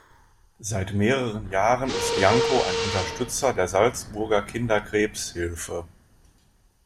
Seit mehreren Jahren ist Janko ein Unterstützer der Salzburger Kinderkrebshilfe.